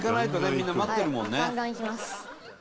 みんな待ってるもんね。